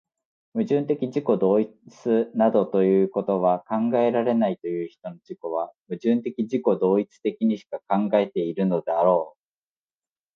矛盾的自己同一などいうことは考えられないという人の自己は、矛盾的自己同一的にしか考えているのであろう。